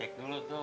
cek dulu tuh